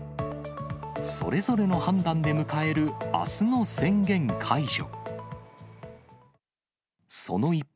それぞれの判断で迎える、あすの宣言解除。